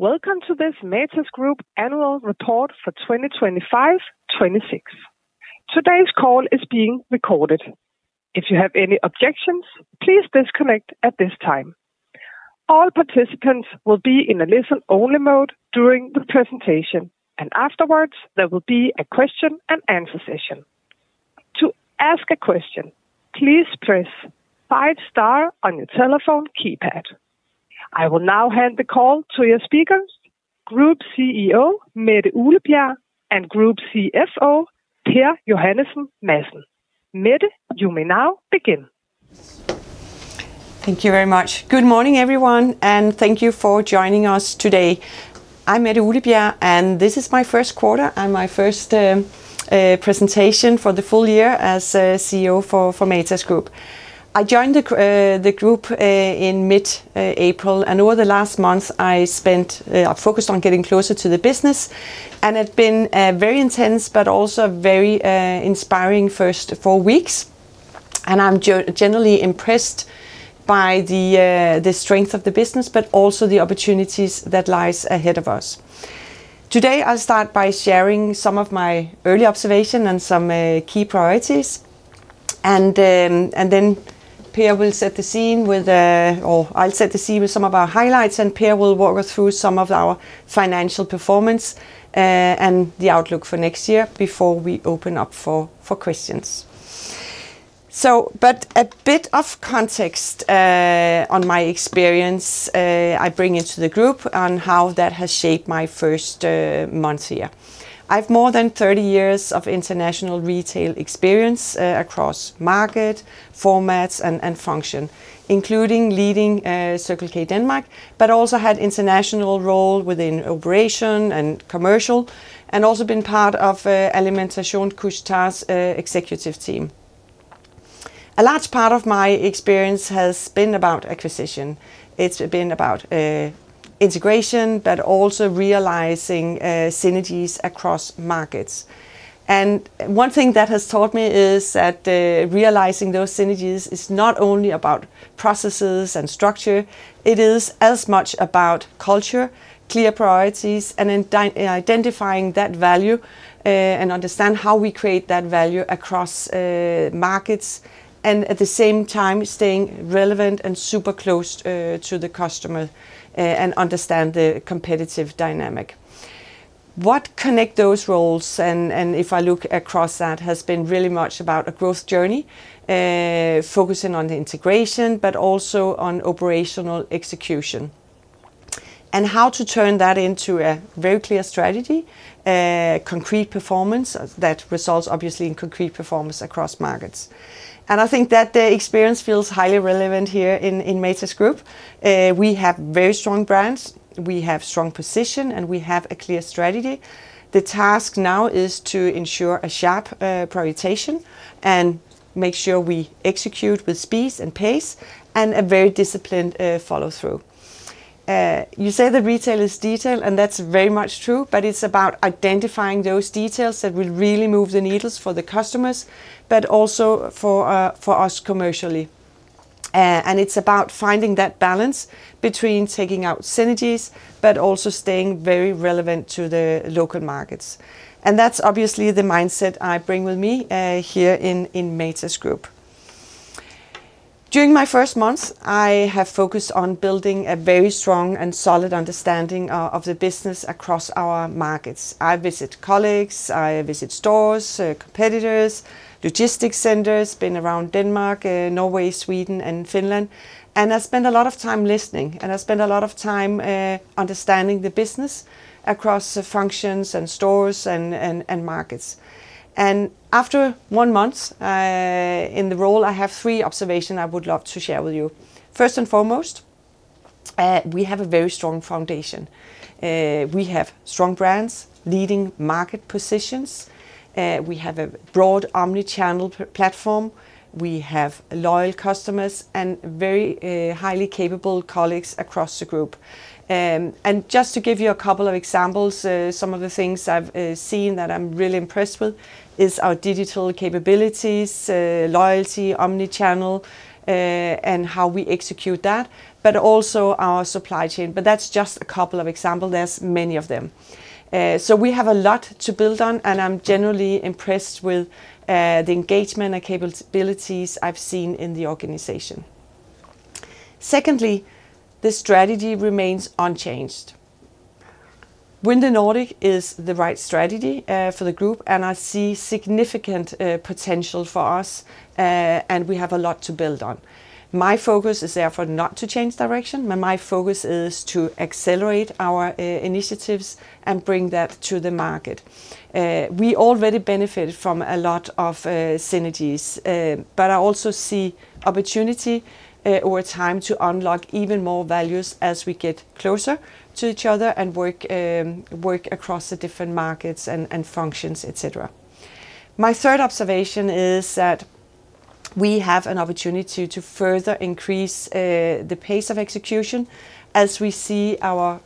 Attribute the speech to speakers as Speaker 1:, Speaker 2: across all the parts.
Speaker 1: Welcome to this Matas Group annual report for 2025, 2026. Today's call is being recorded. If you have any objections, please disconnect at this time. All participants will be in a listen-only mode during the presentation. Afterwards there will be a question-and-answer session. To ask a question, please press five star on your telephone keypad. I will now hand the call to your speakers, Group CEO Mette Uglebjerg, and Group CFO Per Johannesen Madsen. Mette, you may now begin.
Speaker 2: Thank you very much. Good morning, everyone, and thank you for joining us today. I'm Mette Uglebjerg, and this is my Q1 and my first presentation for the full-year as CEO for Matas Group. I joined the group in mid-April, and over the last month, I spent focused on getting closer to the business, and it been very intense but also very inspiring first four weeks. I'm generally impressed by the strength of the business but also the opportunities that lies ahead of us. Today, I'll start by sharing some of my early observation and some key priorities. Per will set the scene with or I'll set the scene with some of our highlights, and Per will walk us through some of our financial performance and the outlook for next year before we open up for questions. A bit of context on my experience I bring into the group on how that has shaped my first month here. I've more than 30 years of international retail experience across market, formats, and function, including leading Circle K Danmark, but also had international role within operation and commercial and also been part of Alimentation Couche-Tard's executive team. A large part of my experience has been about acquisition. It's been about integration, but also realizing synergies across markets. One thing that has taught me is that realizing those synergies is not only about processes and structure, it is as much about culture, clear priorities, and identifying that value and understand how we create that value across markets and at the same time staying relevant and super close to the customer and understand the competitive dynamic. What connect those roles and, if I look across that, has been really much about a growth journey, focusing on the integration but also on operational execution and how to turn that into a very clear strategy, concrete performance that results obviously in concrete performance across markets. I think that the experience feels highly relevant here in Matas Group. We have very strong brands, we have strong position, we have a clear strategy. The task now is to ensure a sharp prioritization and make sure we execute with speed and pace and a very disciplined follow-through. You say that retail is detail, that's very much true, it's about identifying those details that will really move the needles for the customers but also for us commercially. It's about finding that balance between taking out synergies but also staying very relevant to the local markets, that's obviously the mindset I bring with me here in Matas Group. During my first month, I have focused on building a very strong and solid understanding of the business across our markets. I visit colleagues, I visit stores, competitors, logistics centers, been around Denmark, Norway, Sweden, and Finland, and I spend a lot of time listening, and I spend a lot of time understanding the business across the functions and stores and markets. After one month in the role, I have three observation I would love to share with you. First and foremost, we have a very strong foundation. We have strong brands, leading market positions, we have a broad omnichannel platform, we have loyal customers and very highly capable colleagues across the group. Just to give you a couple of examples, some of the things I've seen that I'm really impressed with is our digital capabilities, loyalty, omnichannel, and how we execute that, but also our supply chain. That's just a couple of example. There's many of them. We have a lot to build on, and I'm generally impressed with the engagement and capabilities I've seen in the organization. Secondly, the strategy remains unchanged. Win the Nordics is the right strategy for the group, and I see significant potential for us, and we have a lot to build on. My focus is therefore not to change direction. My focus is to accelerate our initiatives and bring that to the market. We already benefit from a lot of synergies, but I also see opportunity over time to unlock even more values as we get closer to each other and work across the different markets and functions, et cetera. My third observation is that we have an opportunity to further increase the pace of execution as we see our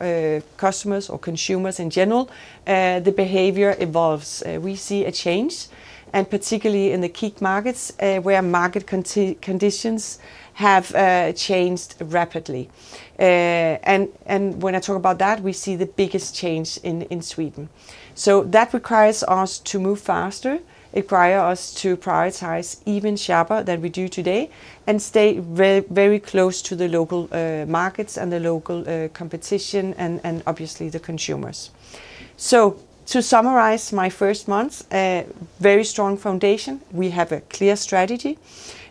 Speaker 2: customers or consumers in general, the behavior evolves. We see a change, and particularly in the key markets, where market conditions have changed rapidly. And when I talk about that, we see the biggest change in Sweden. That requires us to move faster. It require us to prioritize even sharper than we do today, and stay very close to the local markets and the local competition and obviously the consumers. To summarize my first month, a very strong foundation. We have a clear strategy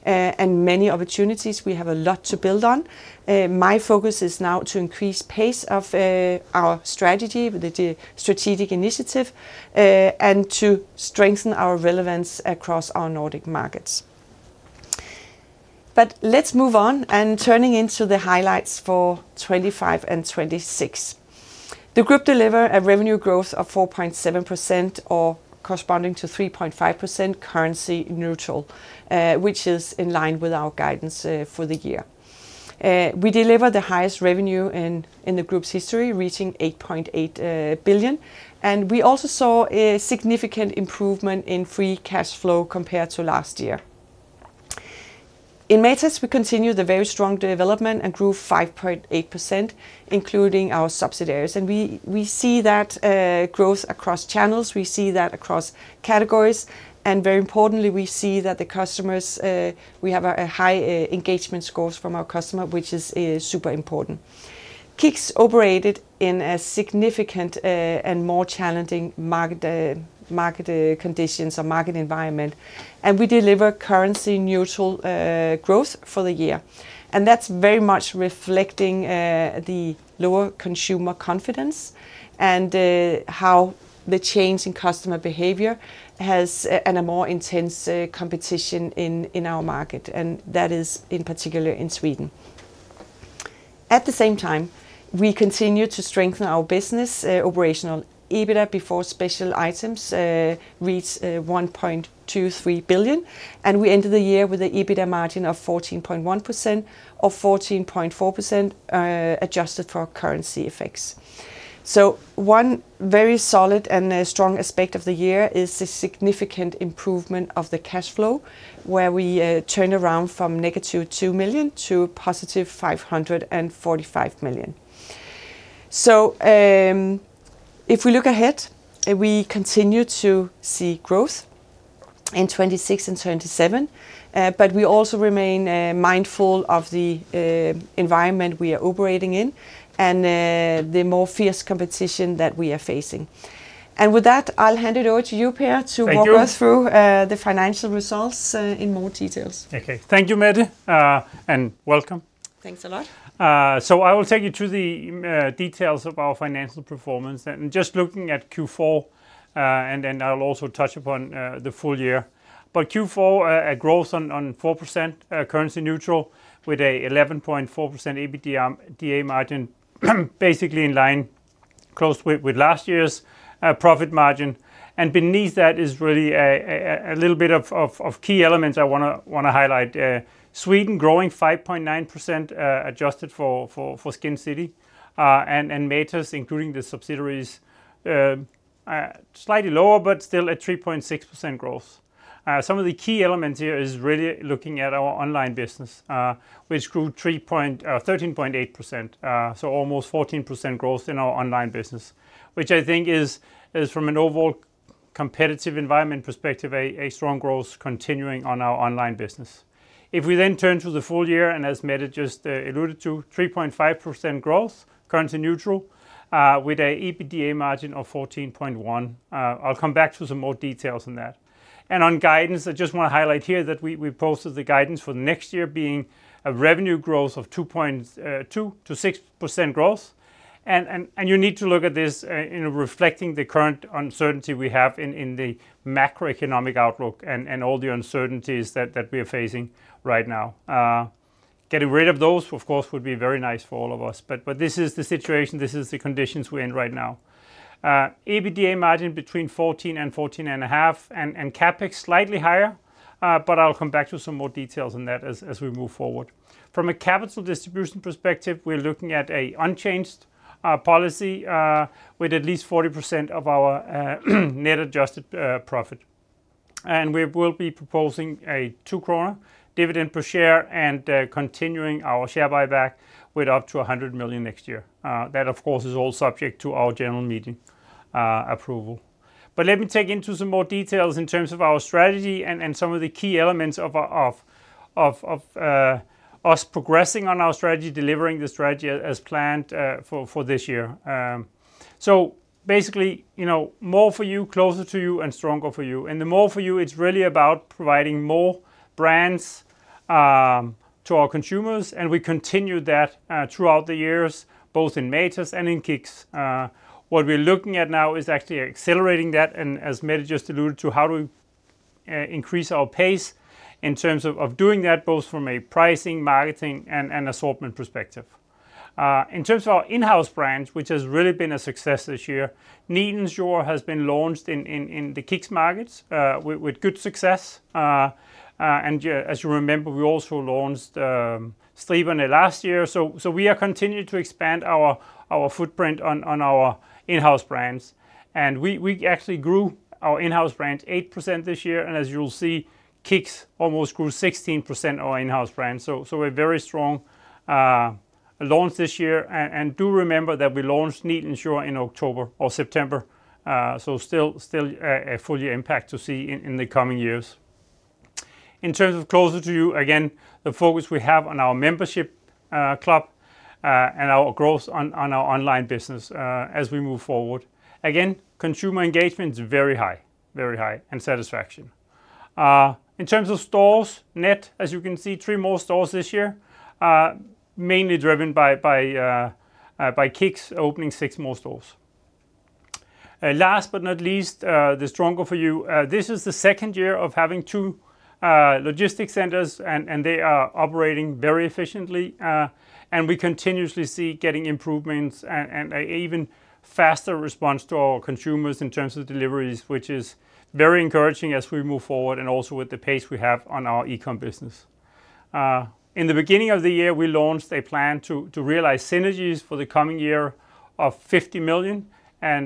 Speaker 2: and many opportunities. We have a lot to build on. My focus is now to increase pace of our strategy with the strategic initiative and to strengthen our relevance across our Nordic markets. Let's move on, and turning into the highlights for 2025 and 2026. The group deliver a revenue growth of 4.7% or corresponding to 3.5% currency neutral, which is in line with our guidance for the year. We deliver the highest revenue in the group's history, reaching 8.8 billion, and we also saw a significant improvement in free cash flow compared to last year. In Matas, we continue the very strong development and grew 5.8%, including our subsidiaries, and we see that growth across channels. We see that across categories, and very importantly, we see that the customers, we have a high engagement scores from our customer, which is super important. KICKS operated in a significant and more challenging market conditions or market environment, and we deliver currency neutral growth for the year. That's very much reflecting the lower consumer confidence and how the change in customer behavior has and a more intense competition in our market, and that is in particular in Sweden. At the same time, we continue to strengthen our business. Operational EBITDA before special items reached 1.23 billion, and we ended the year with an EBITDA margin of 14.1% or 14.4% adjusted for currency effects. One very solid and a strong aspect of the year is the significant improvement of the cash flow, where we turn around from -2 million to +545 million. If we look ahead, we continue to see growth in 2026 and 2027, but we also remain mindful of the environment we are operating in and the more fierce competition that we are facing. With that, I'll hand it over to you, Per.
Speaker 3: Thank you.
Speaker 2: To walk us through, the financial results, in more details.
Speaker 3: Okay. Thank you, Mette, and welcome.
Speaker 2: Thanks a lot.
Speaker 3: I will take you through the details of our financial performance. Just looking at Q4, I will also touch upon the full year. Q4, a growth on 4% currency neutral with a 11.4% EBITDA margin, basically in line, close with last year's profit margin. Beneath that is really a little bit of key elements I wanna highlight. Sweden growing 5.9% adjusted for Skincity and Matas, including the subsidiaries, slightly lower, but still at 3.6% growth. Some of the key elements here is really looking at our online business, which grew 13.8%, so almost 14% growth in our online business, which I think is from an overall competitive environment perspective a strong growth continuing on our online business. Turning to the full-year and as Mette just alluded to, 3.5% growth, currency neutral, with a EBITDA margin of 14.1. I'll come back to some more details on that. On guidance, I just want to highlight here that we posted the guidance for the next year being a revenue growth of 2%-6%. You need to look at this in reflecting the current uncertainty we have in the macroeconomic outlook and all the uncertainties that we are facing right now. Getting rid of those, of course, would be very nice for all of us, but this is the situation, this is the conditions we are in right now. EBITDA margin between 14% and 14.5%, CapEx slightly higher, but I will come back to some more details on that as we move forward. From a capital distribution perspective, we are looking at an unchanged policy with at least 40% of our net adjusted profit. We will be proposing a 2 kroner dividend per share and continuing our share buyback with up to 100 million next year. That of course is all subject to our general meeting approval. Let me take into some more details in terms of our strategy and some of the key elements of us progressing on our strategy, delivering the strategy as planned for this year. Basically, you know, more for you, closer to you and stronger for you. The more for you, it's really about providing more brands to our consumers, and we continue that throughout the years, both in Matas and in KICKS. What we're looking at now is actually accelerating that and as Mette just alluded to, how do we increase our pace in terms of doing that, both from a pricing, marketing and assortment perspective? In terms of our in-house brands, which has really been a success this year, Nilens Jord has been launched in KICKS markets with good success. Yeah, as you remember, we also launched [inaudible] last year. We are continuing to expand our footprint on our in-house brands. We actually grew our in-house brands 8% this year, and as you'll see, KICKS almost grew 16% our in-house brands. A very strong launch this year. Do remember that we launched Nilens Jord in October or September, so still a full year impact to see in the coming years. In terms of closer to you, again, the focus we have on our membership club and our growth on our online business as we move forward. Again, consumer engagement is very high and satisfaction. In terms of stores, net, as you can see, three more stores this year, mainly driven by KICKS opening six more stores. Last but not least, the strong go for you, this is the second year of having two logistics centers and they are operating very efficiently. We continuously see getting improvements and a even faster response to our consumers in terms of deliveries, which is very encouraging as we move forward and also with the pace we have on our e-com business. In the beginning of the year, we launched a plan to realize synergies for the coming year of 50 million,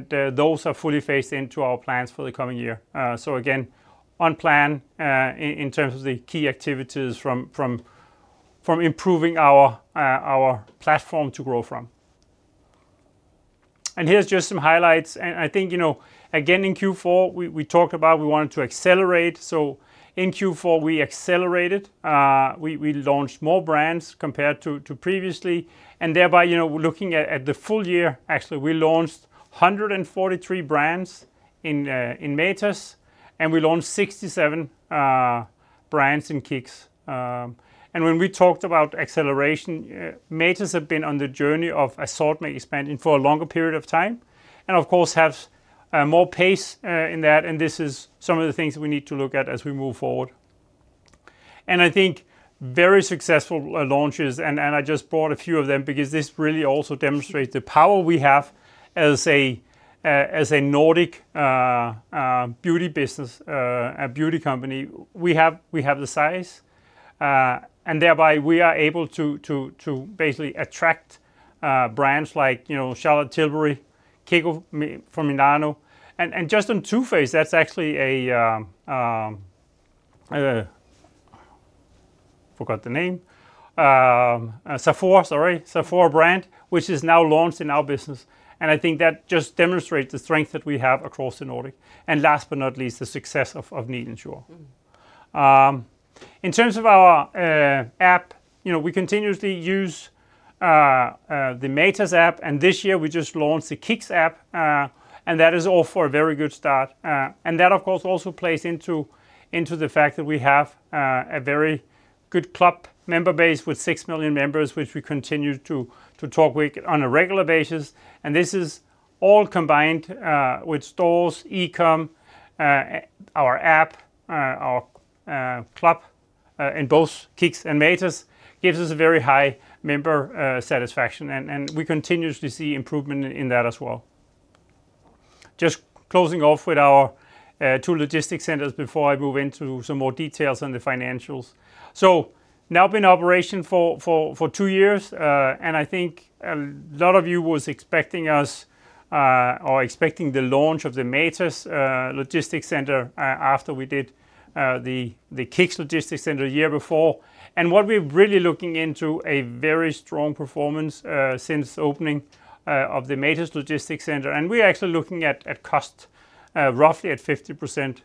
Speaker 3: those are fully phased into our plans for the coming year. Again, on plan, in terms of the key activities from improving our platform to grow from. Here's just some highlights. I think, you know, again, in Q4, we talked about we wanted to accelerate. In Q4, we accelerated. We launched more brands compared to previously, and thereby, you know, looking at the full-year, actually, we launched 143 brands in Matas, and we launched 67 brands in KICKS. When we talked about acceleration, Matas have been on the journey of assortment expanding for a longer period of time, and of course, have more pace in that. This is some of the things we need to look at as we move forward. I think very successful launches, and I just brought a few of them because this really also demonstrates the power we have as a Nordic beauty business, a beauty company. We have the size, and thereby we are able to basically attract brands like, you know, Charlotte Tilbury, KIKO Milano. Just on Too Faced, that's actually a, forgot the name. Sephora brand, which is now launched in our business. I think that just demonstrates the strength that we have across the Nordic. Last but not least, the success of Nilens Jord. In terms of our app, you know, we continuously use the Matas app, this year we just launched the KICKS app, that is off for a very good start. That of course, also plays into the fact that we have a very good club member base with 6 million members, which we continue to talk with on a regular basis. This is all combined with stores, e-com, our app, our club, in both KICKS and Matas, gives us a very high member satisfaction. We continuously see improvement in that as well. Just closing off with our two logistic centers before I move into some more details on the financials. Now been in operation for two years, and I think a lot of you was expecting us or expecting the launch of the Matas Logistics Center after we did the KICKS logistic center one year before. What we're really looking into a very strong performance since opening of the Matas Logistics Center. We're actually looking at cost roughly at 50%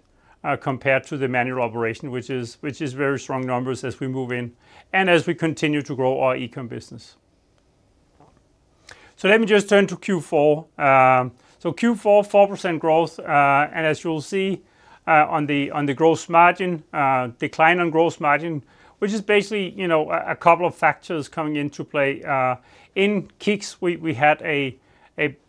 Speaker 3: compared to the manual operation, which is very strong numbers as we move in and as we continue to grow our e-com business. Let me just turn to Q4. Q4, 4% growth, and as you'll see on the gross margin, decline on gross margin, which is basically, you know, a couple of factors coming into play. In KICKS, we had a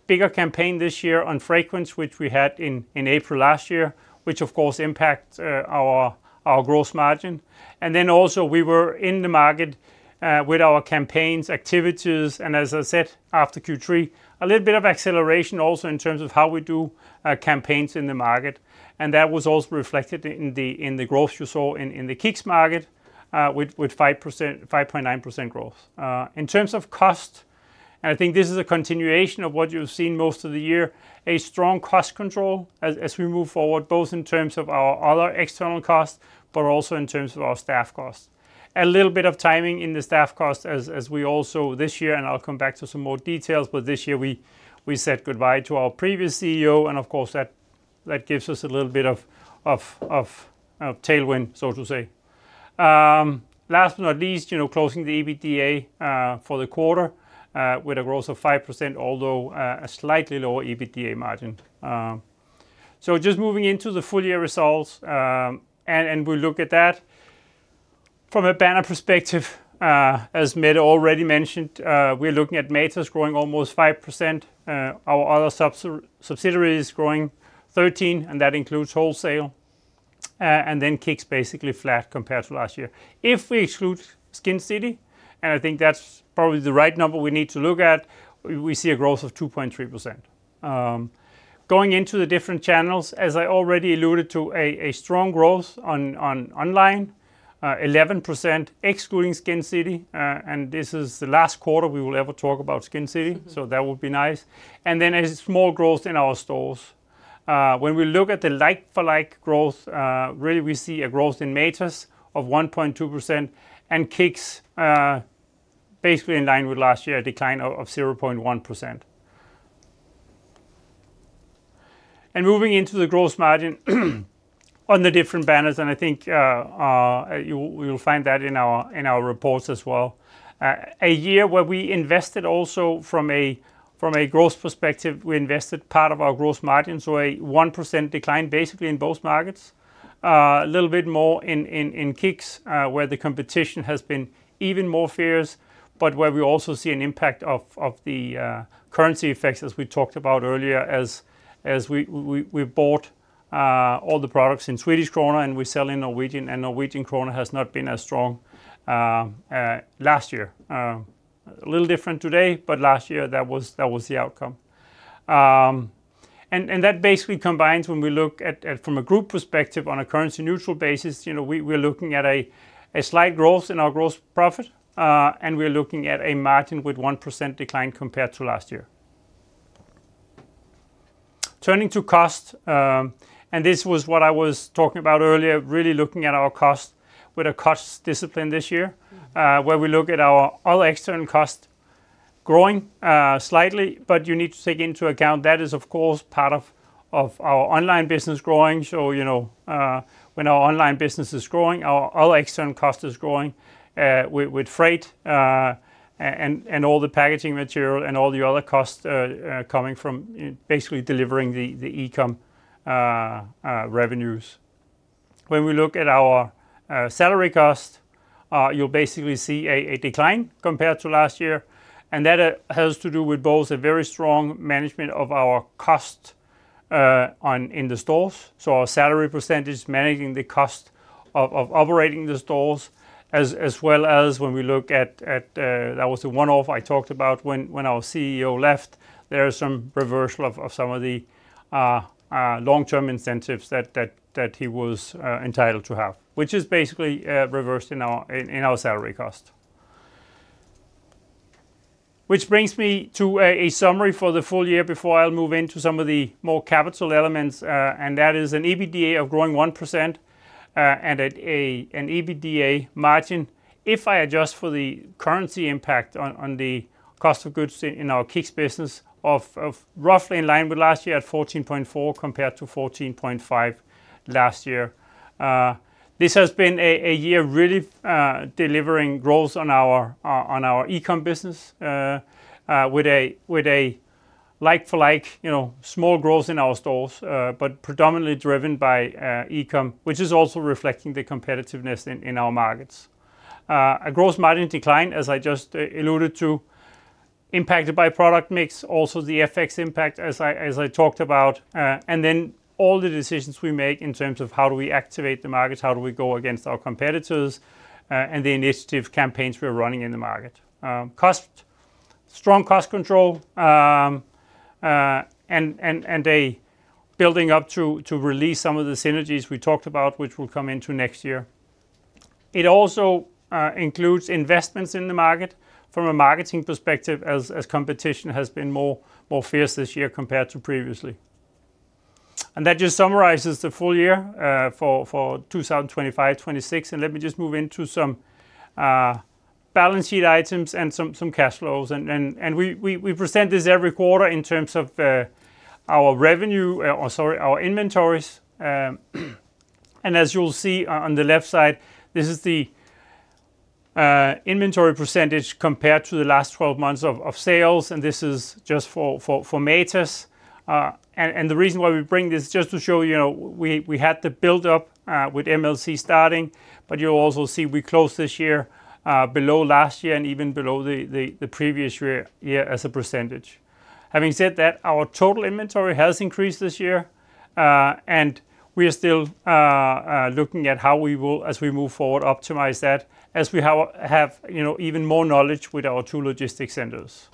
Speaker 3: bigger campaign this year on fragrance, which we had in April last year, which of course impacts our gross margin. Then also we were in the market with our campaigns, activities, and as I said, after Q3, a little bit of acceleration also in terms of how we do campaigns in the market, and that was also reflected in the growth you saw in the KICKS market with 5%, 5.9% growth. In terms of cost, I think this is a continuation of what you've seen most of the year, a strong cost control as we move forward, both in terms of our other external costs, but also in terms of our staff costs. A little bit of timing in the staff costs as we also this year, and I'll come back to some more details, but this year we said goodbye to our previous CEO, and of course, that gives us a little bit of tailwind, so to say. Last but not least, you know, closing the EBITDA for the quarter with a growth of 5%, although a slightly lower EBITDA margin. Just moving into the full year results, we'll look at that. From a banner perspective, as Mette already mentioned, we're looking at Matas growing almost 5%, our other subsidiaries growing 13, and that includes wholesale. KICKS basically flat compared to last year. If we exclude Skincity, and I think that's probably the right number we need to look at, we see a growth of 2.3%. Going into the different channels, as I already alluded to, a strong growth on online, 11% excluding Skincity. This is the last quarter we will ever talk about Skincity. That will be nice. A small growth in our stores. When we look at the like-for-like growth, really we see a growth in Matas of 1.2%, and KICKS basically in line with last year, a decline of 0.1%. Moving into the gross margin on the different banners, I think you'll find that in our reports as well. A year where we invested also from a growth perspective, we invested part of our growth margin, a 1% decline basically in both markets. A little bit more in KICKS, where the competition has been even more fierce, but where we also see an impact of the currency effects, as we talked about earlier, as we bought all the products in Swedish krona and we sell in Norwegian, and Norwegian krona has not been as strong last year. A little different today, but last year that was the outcome. That basically combines when we look at from a Group perspective on a currency neutral basis, you know, we're looking at a slight growth in our gross profit, and we're looking at a margin with 1% decline compared to last year. Turning to cost, and this was what I was talking about earlier, really looking at our cost with a cost discipline this year, where we look at our all external cost growing slightly. You need to take into account that is, of course, part of our online business growing. You know, when our online business is growing, our all external cost is growing with freight and all the packaging material and all the other costs coming from basically delivering the e-com revenues. When we look at our salary cost, you'll basically see a decline compared to last year, and that has to do with both a very strong management of our cost in the stores. Our salary percentage, managing the cost of operating the stores, as well as when we look at that was the one-off I talked about when our CEO left, there is some reversal of some of the long-term incentives that he was entitled to have, which is basically reversed in our salary cost. Which brings me to a summary for the full-year before I'll move into some of the more capital elements. That is an EBITDA of growing 1%, and at an EBITDA margin if I adjust for the currency impact on the cost of goods in our KICKS business of roughly in line with last year at 14.4 compared to 14.5 last year. This has been a year really delivering growth on our e-com business with a like-for-like, you know, small growth in our stores, but predominantly driven by e-com, which is also reflecting the competitiveness in our markets. A gross margin decline, as I just alluded to, impacted by product mix, also the FX impact, as I talked about, and all the decisions we make in terms of how do we activate the markets, how do we go against our competitors, and the initiative campaigns we're running in the market. Cost, strong cost control, and a building up to release some of the synergies we talked about, which we'll come into next year. It also includes investments in the market from a marketing perspective as competition has been more fierce this year compared to previously. That just summarizes the full year for 2025, 2026. Let me just move into some balance sheet items and some cash flows. We present this every quarter in terms of our revenue, or sorry, our inventories. As you'll see on the left side, this is the inventory percentage compared to the last 12 months of sales, and this is just for Matas. The reason why we bring this just to show, you know, we had the build up with MLC starting, but you'll also see we closed this year below last year and even below the previous year as a percentage. Having said that, our total inventory has increased this year, and we are still looking at how we will, as we move forward, optimize that as we have, you know, even more knowledge with our two logistic centers.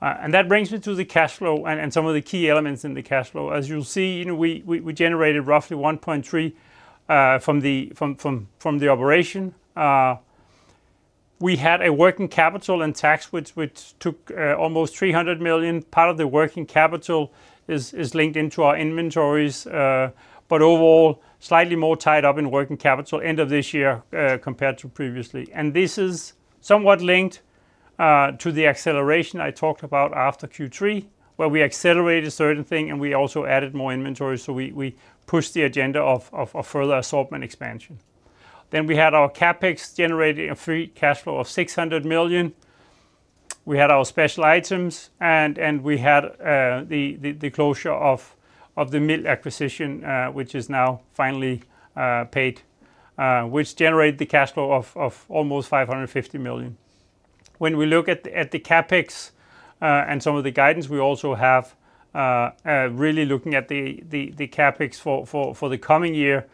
Speaker 3: That brings me to the cash flow and some of the key elements in the cash flow. As you'll see, you know, we generated roughly 1.3 from the operation. We had a working capital and tax which took almost 300 million. Part of the working capital is linked into our inventories, but overall, slightly more tied up in working capital end of this year, compared to previously. This is somewhat linked to the acceleration I talked about after Q3, where we accelerated certain thing and we also added more inventory, so we pushed the agenda of further assortment expansion. We had our CapEx generating a free cash flow of 600 million. We had our special items and we had the closure of the Miild acquisition, which is now finally paid, which generated the cash flow of almost 550 million. When we look at the CapEx and some of the guidance we also have, really looking at the CapEx for the coming year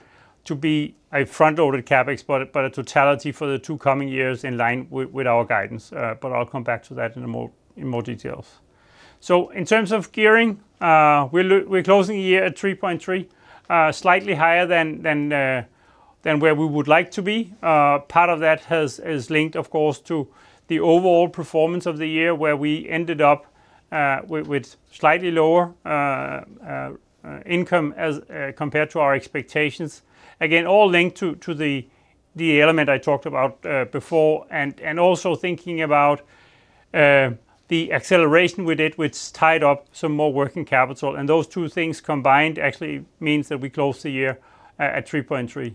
Speaker 3: to be a front-loaded CapEx but a totality for the two coming years in line with our guidance. I'll come back to that in more details. In terms of gearing, we're closing the year at 3.3, slightly higher than where we would like to be. Part of that has linked of course to the overall performance of the year, where we ended up with slightly lower income as compared to our expectations. Again, all linked to the element I talked about before and also thinking about the acceleration we did, which tied up some more working capital. Those two things combined actually means that we close the year at 3.3.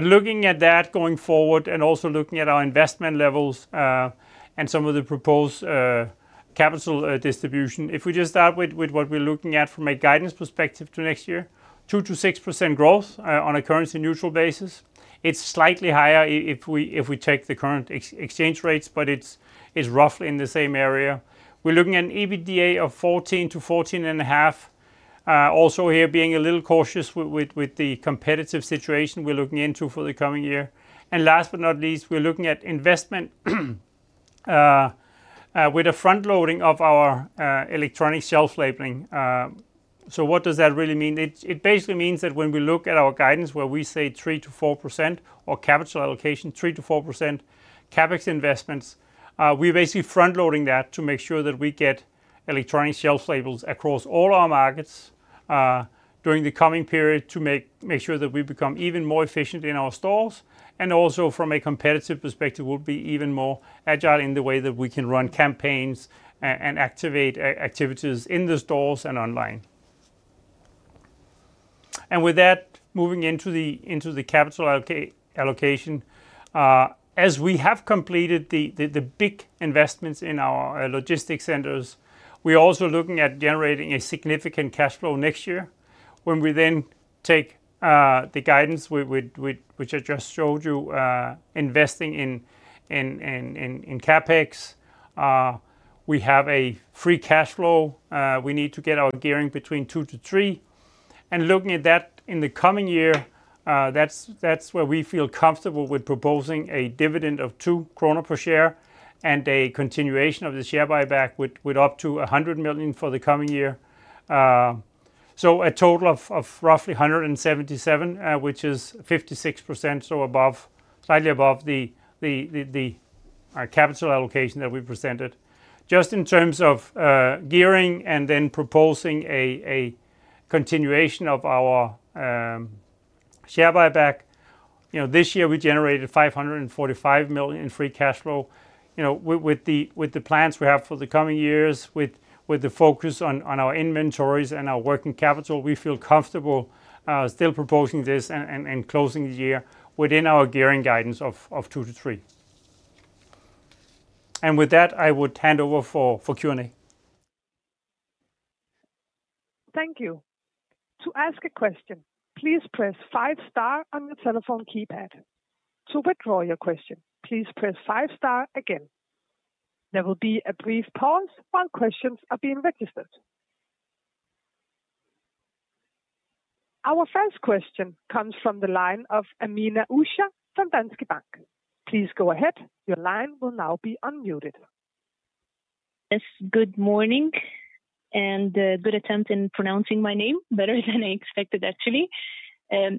Speaker 3: Looking at that going forward and also looking at our investment levels and some of the proposed capital distribution, if we just start with what we're looking at from a guidance perspective to next year, 2%-6% growth on a currency neutral basis. It's slightly higher if we take the current exchange rates, but it's roughly in the same area. We're looking at an EBITDA of 14%-14.5%. Also here being a little cautious with the competitive situation we're looking into for the coming year. Last but not least, we're looking at investment with a front-loading of our electronic shelf labeling. What does that really mean? It basically means that when we look at our guidance where we say 3%-4% or capital allocation, 3%-4% CapEx investments, we're basically front-loading that to make sure that we get electronic shelf labels across all our markets during the coming period to make sure that we become even more efficient in our stores. Also from a competitive perspective, we'll be even more agile in the way that we can run campaigns and activate activities in the stores and online. With that, moving into the capital allocation. As we have completed the big investments in our logistics centers, we're also looking at generating a significant cash flow next year when we then take the guidance which I just showed you, investing in CapEx. We have a free cash flow, we need to get our gearing between two to three. Looking at that in the coming year, that's where we feel comfortable with proposing a dividend of 2 kroner per share and a continuation of the share buyback with up to 100 million for the coming year. A total of roughly 177, which is 56%, slightly above our capital allocation that we presented. Just in terms of gearing, proposing a continuation of our share buyback, you know, this year we generated 545 million in free cash flow. You know, with the plans we have for the coming years, with the focus on our inventories and our working capital, we feel comfortable still proposing this and closing the year within our gearing guidance of two to three. With that, I would hand over for Q&A.
Speaker 1: Thank you. To ask a question, please press five star on your telephone keypad. To withdraw your question, please press five star again. There will be a brief pause while questions are being registered. Our first question comes from the line of Amina Ashraf from Danske Bank. Please go ahead. Your line will now be unmuted.
Speaker 4: Yes. Good morning and good attempt in pronouncing my name, better than I expected actually.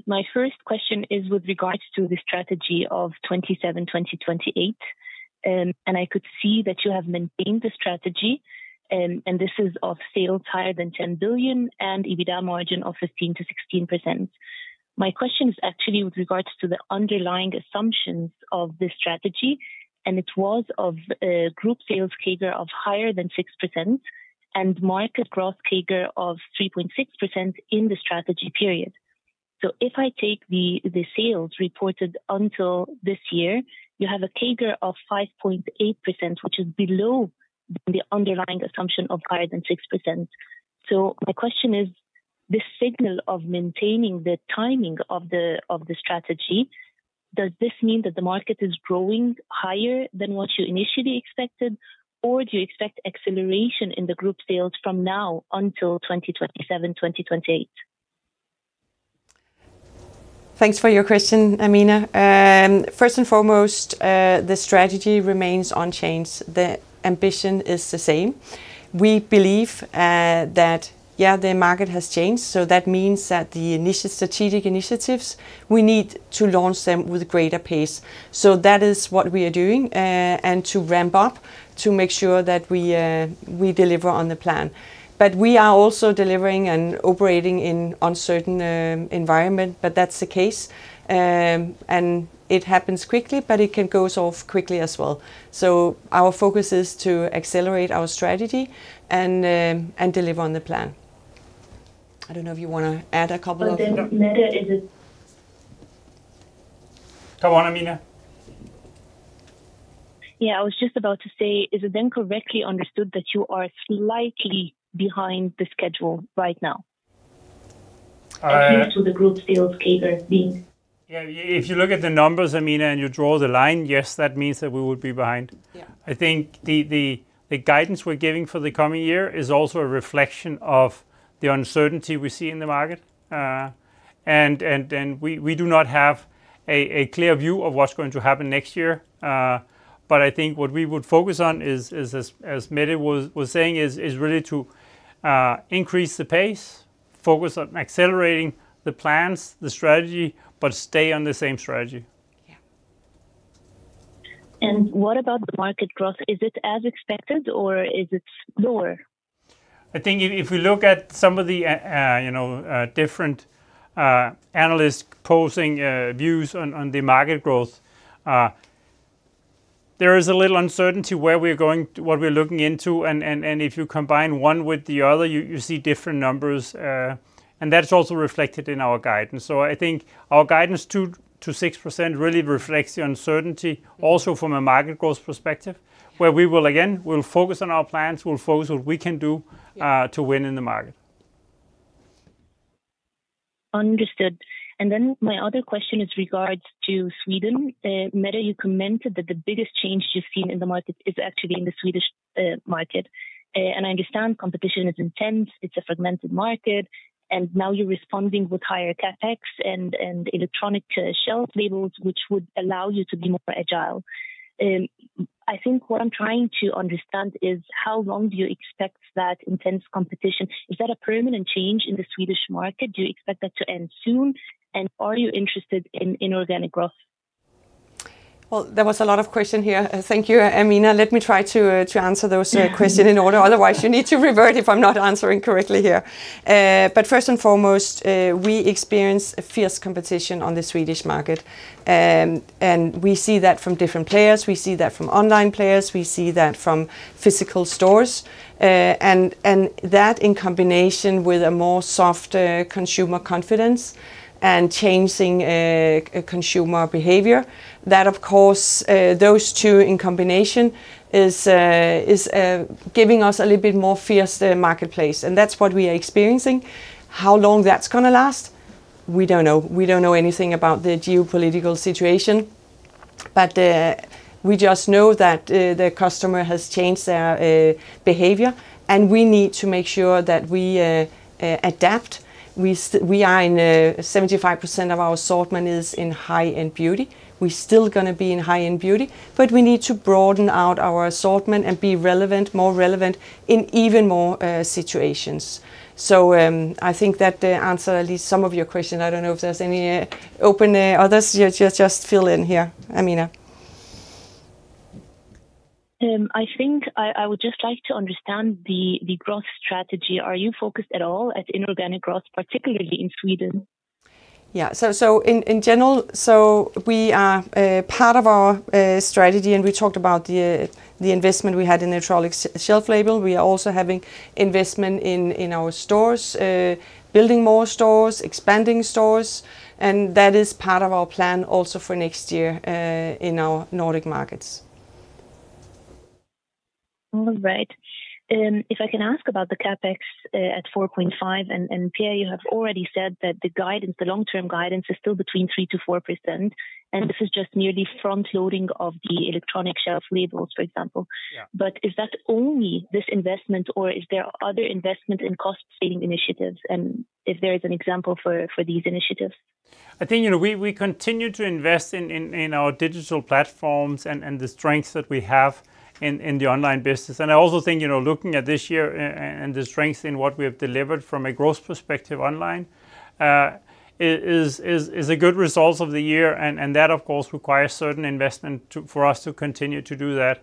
Speaker 4: My first question is with regards to the strategy of 2027, 2028. I could see that you have maintained the strategy, and this is of sales higher than 10 billion and EBITDA margin of 15%-16%. My question is actually with regards to the underlying assumptions of this strategy, and it was of group sales CAGR of higher than 6% and market growth CAGR of 3.6% in the strategy period. If I take the sales reported until this year, you have a CAGR of 5.8%, which is below the underlying assumption of higher than 6%. My question is, the signal of maintaining the timing of the, of the strategy, does this mean that the market is growing higher than what you initially expected, or do you expect acceleration in the group sales from now until 2027, 2028?
Speaker 2: Thanks for your question, Amina. First and foremost, the strategy remains unchanged. The ambition is the same. We believe that the strategic initiatives, we need to launch them with greater pace. That is what we are doing, and to ramp up to make sure that we deliver on the plan. We are also delivering and operating in uncertain environment, but that's the case. It happens quickly, but it can goes off quickly as well. Our focus is to accelerate our strategy and deliver on the plan. I don't know if you wanna add a couple of-
Speaker 4: Mette, is it?
Speaker 3: Go on, Amina.
Speaker 4: Yeah, I was just about to say, is it then correctly understood that you are slightly behind the schedule right now?
Speaker 3: Uh-
Speaker 4: At least to the group sales CAGR.
Speaker 3: Yeah, if you look at the numbers, Amina, and you draw the line, yes, that means that we would be behind.
Speaker 4: Yeah.
Speaker 3: I think the guidance we're giving for the coming year is also a reflection of the uncertainty we see in the market. We do not have a clear view of what's going to happen next year. I think what we would focus on is as Mette was saying is really to increase the pace, focus on accelerating the plans, the strategy, but stay on the same strategy.
Speaker 4: Yeah. What about the market growth? Is it as expected or is it lower?
Speaker 3: I think if we look at some of the, you know, different analyst posing views on the market growth, there is a little uncertainty where we're going, what we're looking into. If you combine one with the other, you see different numbers. That's also reflected in our guidance. I think our guidance 2%-6% really reflects the uncertainty also from a market growth perspective, where we will again, we'll focus on our plans, we'll focus what we can do.
Speaker 4: Yeah.
Speaker 3: To win in the market.
Speaker 4: Understood. My other question is regards to Sweden. Mette, you commented that the biggest change you've seen in the market is actually in the Swedish market. I understand competition is intense, it's a fragmented market, and now you're responding with higher CapEx and electronic shelf labels, which would allow you to be more agile. I think what I'm trying to understand is how long do you expect that intense competition? Is that a permanent change in the Swedish market? Do you expect that to end soon, and are you interested in inorganic growth?
Speaker 2: There was a lot of question here. Thank you, Amina. Let me try to answer those questions in order. Otherwise, you need to revert if I'm not answering correctly here. First and foremost, we experience a fierce competition on the Swedish market. We see that from different players. We see that from online players. We see that from physical stores. That in combination with a more softer consumer confidence and changing consumer behavior, that of course, those two in combination is giving us a little bit more fierce marketplace, and that's what we are experiencing. How long that's gonna last, we don't know. We don't know anything about the geopolitical situation, but we just know that the customer has changed their behavior, and we need to make sure that we adapt. We are in 75% of our assortment is in high-end beauty. We're still gonna be in high-end beauty, but we need to broaden out our assortment and be relevant, more relevant in even more situations. I think that answer at least some of your question. I don't know if there's any open others. Just fill in here, Amina.
Speaker 4: I think I would just like to understand the growth strategy. Are you focused at all at inorganic growth, particularly in Sweden?
Speaker 2: In general, we are part of our strategy. We talked about the investment we had in electronic shelf label. We are also having investment in our stores, building more stores, expanding stores, and that is part of our plan also for next year in our Nordic Markets.
Speaker 4: All right. If I can ask about the CapEx at 4.5%, Per, you have already said that the guidance, the long-term guidance is still between 3%-4%, this is just merely front loading of the electronic shelf labels, for example.
Speaker 3: Yeah.
Speaker 4: Is that only this investment or is there other investment in cost saving initiatives and if there is an example for these initiatives?
Speaker 3: I think, you know, we continue to invest in our digital platforms and the strengths that we have in the online business. I also think, you know, looking at this year and the strength in what we have delivered from a growth perspective online, is a good result of the year, and that of course requires certain investment to, for us to continue to do that.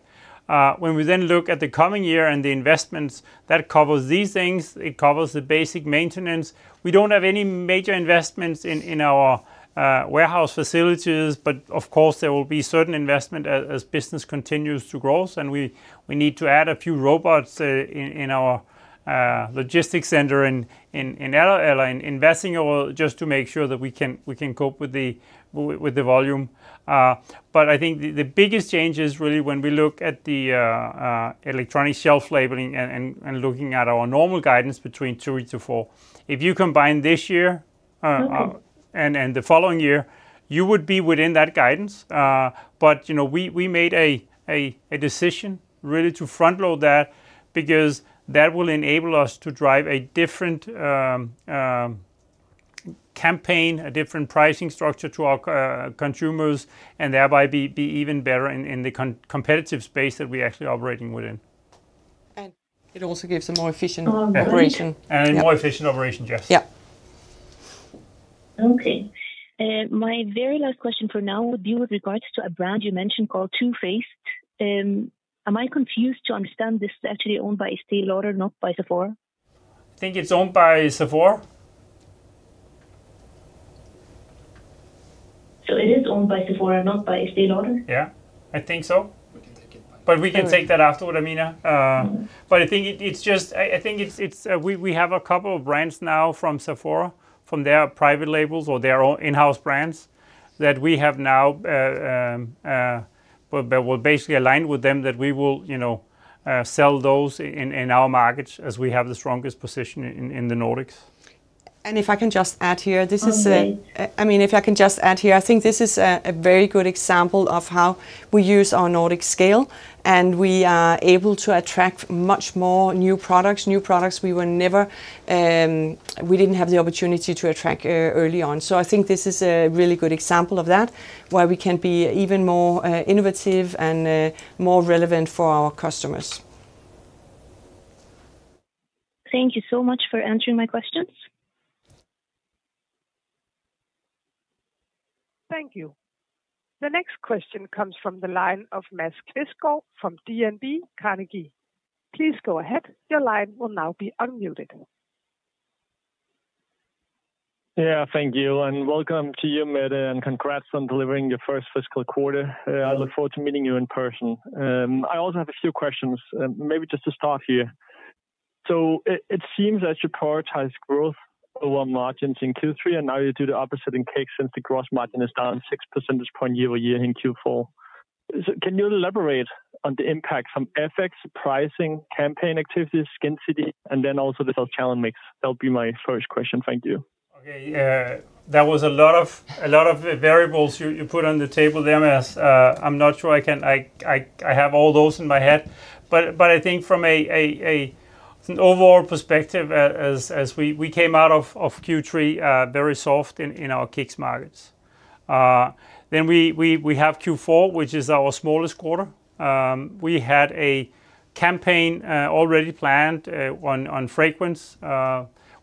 Speaker 3: When we then look at the coming year and the investments, that covers these things. It covers the basic maintenance. We don't have any major investments in our warehouse facilities, but of course, there will be certain investment as business continues to grow. We need to add a few robots in our Logistics Center in Lynge, investing or just to make sure that we can cope with the volume. I think the biggest change is really when we look at the electronic shelf labeling and looking at our normal guidance between two to four if you combine this year. The following year, you would be within that guidance. You know, we made a decision really to front load that because that will enable us to drive a different campaign, a different pricing structure to our consumers and thereby be even better in the competitive space that we're actually operating within.
Speaker 2: It also gives a more efficient operation.
Speaker 3: More efficient operation, yes.
Speaker 2: Yeah.
Speaker 4: Okay. My very last question for now would be with regards to a brand you mentioned called Too Faced. Am I confused to understand this is actually owned by Estée Lauder, not by Sephora?
Speaker 3: I think it's owned by Sephora.
Speaker 4: It is owned by Sephora, not by Estée Lauder?
Speaker 3: Yeah. I think so.
Speaker 5: We can take it.
Speaker 3: We can take that afterward, Amina. I think it's just we have a couple of brands now from Sephora, from their private labels or their own in-house brands that we have now, but we're basically aligned with them that we will, you know, sell those in our markets as we have the strongest position in the Nordics.
Speaker 2: If I can just add here, this is.
Speaker 4: Okay.
Speaker 2: I mean, if I can just add here, I think this is a very good example of how we use our Nordic scale, and we are able to attract much more new products, new products we were never, we didn't have the opportunity to attract early on. I think this is a really good example of that, where we can be even more innovative and more relevant for our customers.
Speaker 4: Thank you so much for answering my questions.
Speaker 1: Thank you. The next question comes from the line of Mads Quistgaard from DNB Carnegie. Please go ahead.
Speaker 6: Yeah, thank you, and welcome to you, Mette, and congrats on delivering your first fiscal quarter. I look forward to meeting you in person. I also have a few questions. Maybe just to start here. It seems that you prioritize growth over margins in Q3, and now you do the opposite in KICKS since the gross margin is down six percentage point year-over-year in Q4. Can you elaborate on the impact from FX pricing, campaign activities, Skincity, and then also the sales challenge mix? That would be my first question. Thank you.
Speaker 3: Okay. That was a lot of variables you put on the table there, Mads. I'm not sure I can have all those in my head. I think from a From overall perspective, as we came out of Q3, very soft in our KICKS markets. We have Q4, which is our smallest quarter. We had a campaign already planned on fragrance,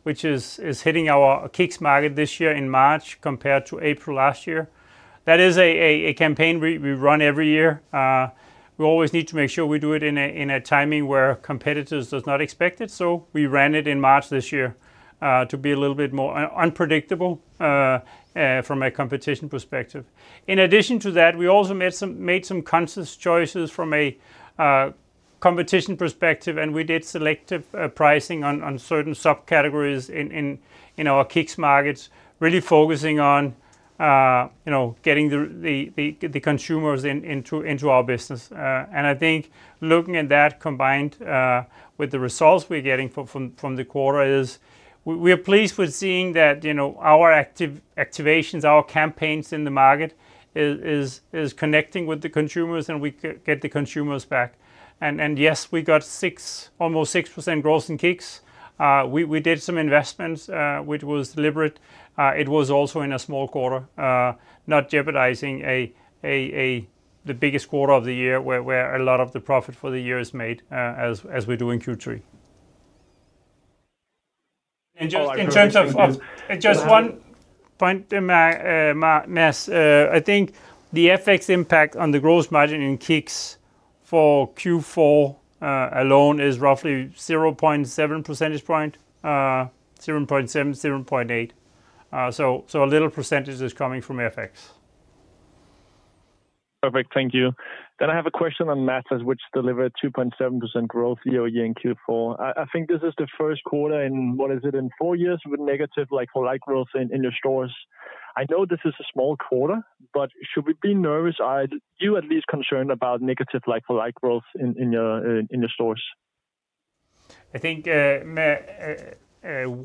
Speaker 3: which is hitting our KICKS market this year in March compared to April last year. That is a campaign we run every year. We always need to make sure we do it in a, in a timing where competitors does not expect it, so we ran it in March this year, to be a little bit more unpredictable from a competition perspective. In addition to that, we also made some conscious choices from a competition perspective, and we did selective pricing on certain sub-categories in our KICKS markets, really focusing on, you know, getting the consumers into our business. I think looking at that combined with the results we're getting from the quarter is we are pleased with seeing that, you know, our active activations, our campaigns in the market is connecting with the consumers, and we get the consumers back. Yes, we got almost 6% growth in KICKS. We did some investments, which was deliberate. It was also in a small quarter, not jeopardizing the biggest quarter of the year where a lot of the profit for the year is made, as we do in Q3.
Speaker 6: And just in terms of-
Speaker 3: Just one point, Mads. I think the FX impact on the gross margin in KICKS for Q4 alone is roughly 0.7 percentage point. 0.7, 0.8. A little percentage is coming from FX.
Speaker 6: Perfect. Thank you. I have a question on Matas which delivered 2.7% growth year-over-year in Q4. I think this is the Q1 in, what is it, in four years with negative like-for-like growth in your stores. I know this is a small quarter. Should we be nervous? Are you at least concerned about negative like-for-like growth in your stores?
Speaker 3: I think,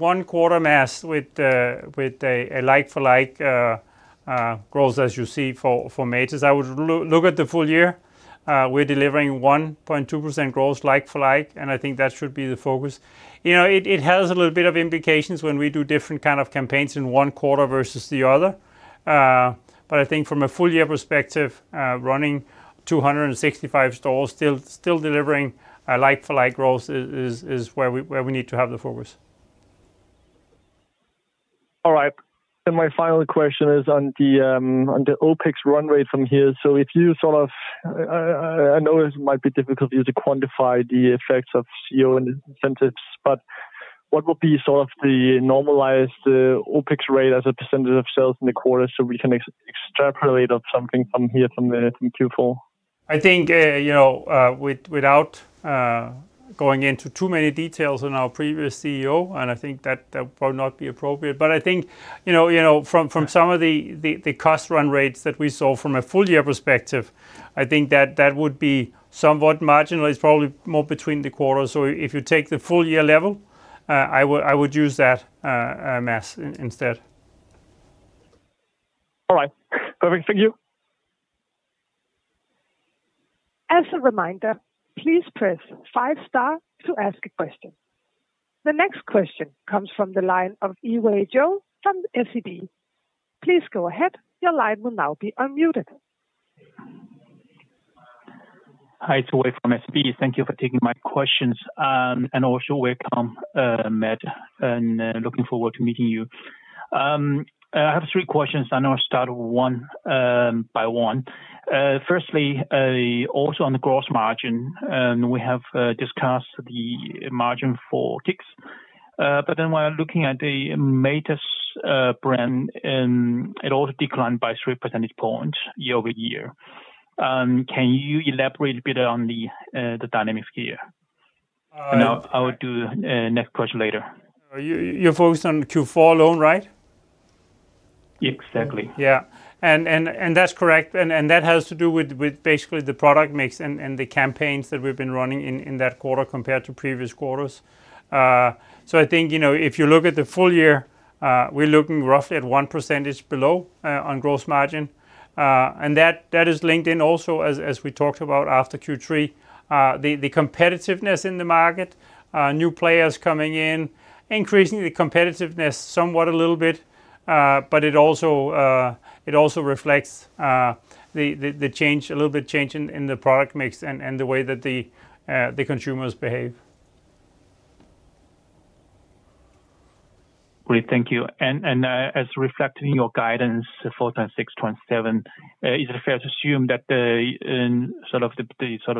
Speaker 3: one quarter, Mads, with a like for like growth as you see for Matas, I would look at the full year. We're delivering 1.2% growth like for like, and I think that should be the focus. You know, it has a little bit of implications when we do different kind of campaigns in one quarter versus the other. But I think from a full year perspective, running 265 stores still delivering a like for like growth is where we need to have the focus.
Speaker 6: All right. My final question is on the OpEx run rate from here. If you sort of I know this might be difficult for you to quantify the effects of CEO incentives, but what would be sort of the normalized OpEx rate as a percentage of sales in the quarter so we can extrapolate of something from here, from the, from Q4?
Speaker 3: I think, you know, without going into too many details on our previous CEO, and I think that that would not be appropriate. I think, you know, you know, from some of the cost run rates that we saw from a full year perspective, I think that that would be somewhat marginalized, probably more between the quarters. If you take the full year level, I would use that, Mads, instead.
Speaker 6: All right. Perfect. Thank you.
Speaker 1: As a reminder, please press five star to ask a question. The next question comes from the line of Yiwei Zhou from SEB. Please go ahead. Your line will now be unmuted.
Speaker 7: Hi, it's Wei from SEB. Thank you for taking my questions. Also welcome, Mad, and looking forward to meeting you. I have three questions, I'll start one by one. Firstly, also on the gross margin, we have discussed the margin for KICKS. While looking at the Matas brand, it also declined by three percentage points year-over-year. Can you elaborate a bit on the dynamics here?
Speaker 3: Uh-
Speaker 7: I'll do next question later.
Speaker 3: You, you're focused on Q4 alone, right?
Speaker 7: Exactly.
Speaker 3: Yeah. That's correct. That has to do with basically the product mix and the campaigns that we've been running in that quarter compared to previous quarters. I think, you know, if you look at the full year, we're looking roughly at 1% below on growth margin. That is linked in also as we talked about after Q3, the competitiveness in the market, new players coming in, increasing the competitiveness somewhat a little bit. It also reflects the change a little bit change in the product mix and the way that the consumers behave.
Speaker 7: Great. Thank you. As reflecting your guidance for 2026/2027, is it fair to assume that the sort of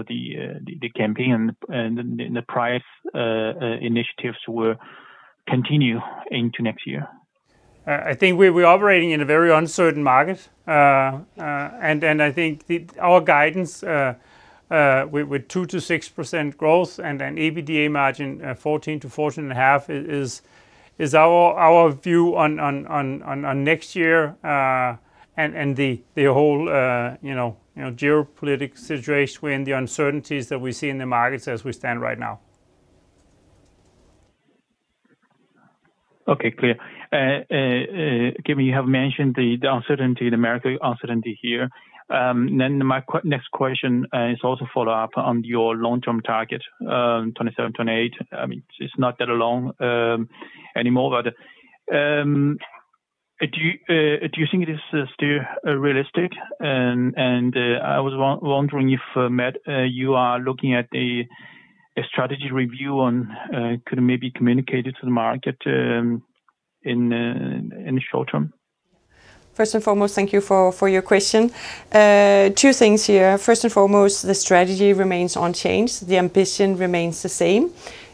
Speaker 7: the campaign and the price initiatives will continue into next year?
Speaker 3: I think we're operating in a very uncertain market. I think our guidance with 2%-6% growth and an EBITDA margin at 14%-14.5% is our view on next year. The whole, you know, geopolitical situation and the uncertainties that we see in the markets as we stand right now.
Speaker 7: Okay. Clear. Given you have mentioned the uncertainty in America, uncertainty here, my next question is also follow-up on your long-term target, 2027, 2028. I mean, it's not that long anymore, but do you think it is still realistic? I was wondering if Mette, you are looking at a strategy review on, could maybe communicate it to the market in the short term.
Speaker 2: First and foremost, thank you for your question. Two things here. First and foremost, the strategy remains unchanged. The ambition remains the same.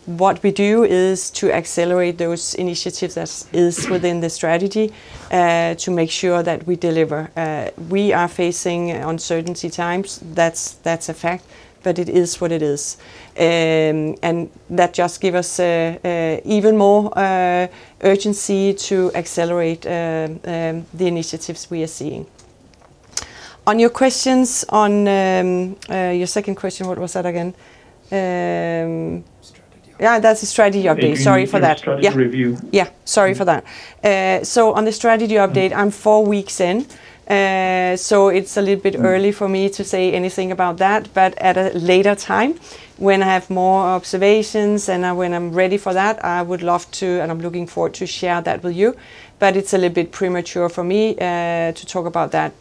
Speaker 2: What we do is to accelerate those initiatives that is within the strategy to make sure that we deliver. We are facing uncertainty times, that's a fact, but it is what it is. That just give us even more urgency to accelerate the initiatives we are seeing. On your questions on your second question, what was that again?
Speaker 3: Strategy update.
Speaker 2: Yeah, that's a strategy update. Sorry for that.
Speaker 3: Maybe you can strategy review.
Speaker 2: Yeah. Sorry for that. On the strategy update, I'm four weeks in. It's a little bit early for me to say anything about that, but at a later time when I have more observations and when I'm ready for that, I would love to, and I'm looking forward to share that with you. It's a little bit premature for me to talk about that.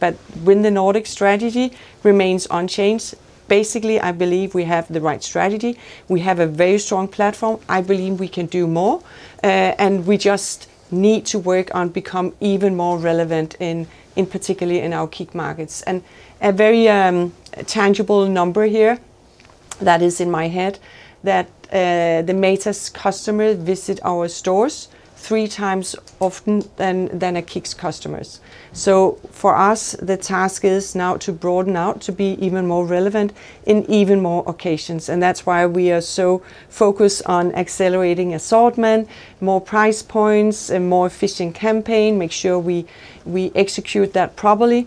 Speaker 2: Win the Nordics strategy remains unchanged, basically I believe we have the right strategy. We have a very strong platform. I believe we can do more. We just need to work on become even more relevant in particularly in our key markets. A very tangible number here that is in my head that the Matas customer visit our stores 3x often than a KICKS customers. For us, the task is now to broaden out to be even more relevant in even more occasions, that's why we are so focused on accelerating assortment, more price points, a more efficient campaign, make sure we execute that properly.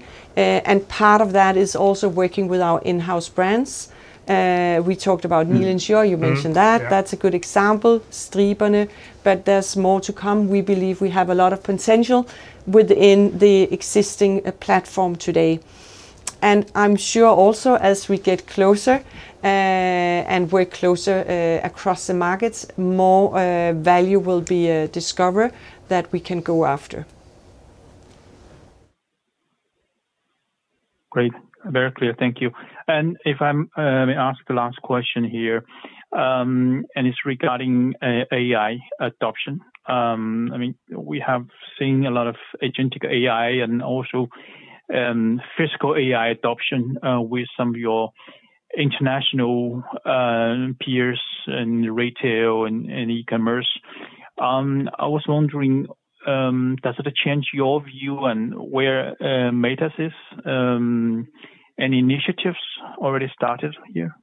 Speaker 2: Part of that is also working with our in-house brands. We talked about Nilens Jord.
Speaker 3: Mm-hmm. Yeah.
Speaker 2: You mentioned that. That's a good example. Striberne. There's more to come. We believe we have a lot of potential within the existing platform today. I'm sure also as we get closer and work closer across the markets, more value will be discovered that we can go after.
Speaker 7: Great. Very clear. Thank you. If I may ask the last question here, it's regarding AI adoption. We have seen a lot of agentic AI and also physical AI adoption with some of your international peers in retail and e-commerce. I was wondering, does it change your view on where Matas is? Any initiatives already started here?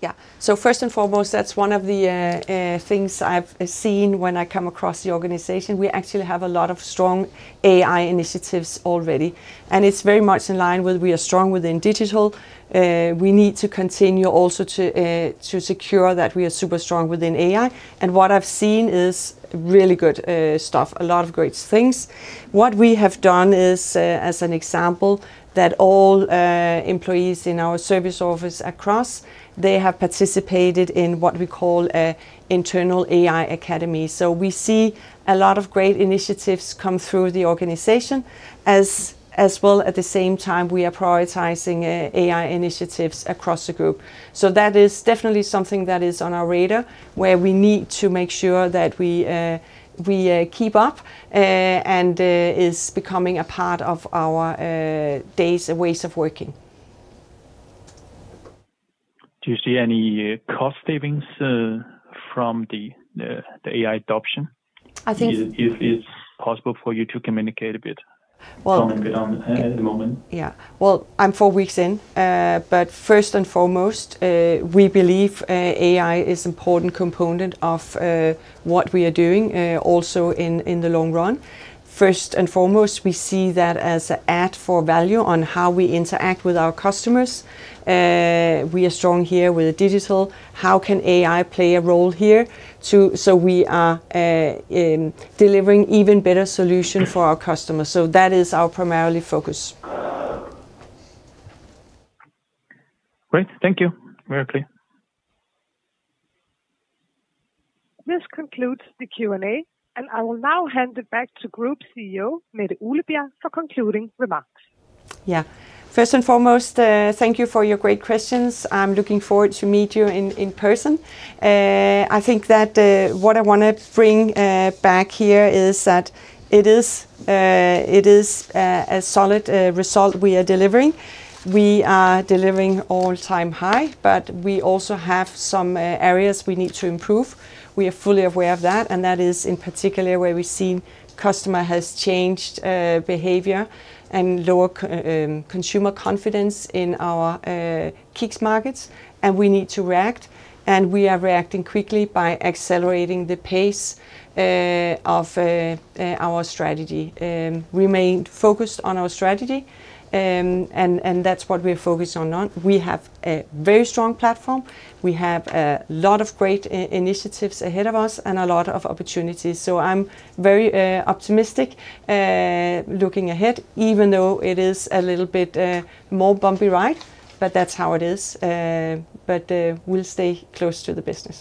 Speaker 2: Yeah. First and foremost, that's one of the things I've seen when I come across the organization. We actually have a lot of strong AI initiatives already, and it's very much in line with we are strong within digital. We need to continue also to secure that we are super strong within AI. What I've seen is really good stuff, a lot of great things. What we have done is, as an example, that all employees in our service office across, they have participated in what we call a internal AI academy. We see a lot of great initiatives come through the organization as well at the same time we are prioritizing AI initiatives across the group. That is definitely something that is on our radar, where we need to make sure that we keep up and is becoming a part of our days and ways of working.
Speaker 7: Do you see any cost savings from the AI adoption?
Speaker 2: I think-
Speaker 7: Is it possible for you to communicate a bit?
Speaker 2: Well-
Speaker 7: Comment a bit on at the moment.
Speaker 2: Yeah. Well, I'm four weeks in. First and foremost, we believe AI is important component of what we are doing also in the long run. First and foremost, we see that as a add for value on how we interact with our customers. We are strong here with the digital, how can AI play a role here so we are delivering even better solution for our customers. That is our primarily focus.
Speaker 7: Great. Thank you. We are clear.
Speaker 1: This concludes the Q&A. I will now hand it back to Group CEO, Mette Uglebjerg, for concluding remarks.
Speaker 2: Yeah. First and foremost, thank you for your great questions. I'm looking forward to meet you in person. I think that what I wanna bring back here is that it is a solid result we are delivering. We are delivering all-time high, but we also have some areas we need to improve. We are fully aware of that, and that is in particular where we've seen customer has changed behavior and lower consumer confidence in our KICKS markets, and we need to react, and we are reacting quickly by accelerating the pace of our strategy. Remain focused on our strategy, that's what we're focused on. We have a very strong platform. We have a lot of great initiatives ahead of us and a lot of opportunities, so I'm very optimistic looking ahead, even though it is a little bit more bumpy ride, but that's how it is. We'll stay close to the business.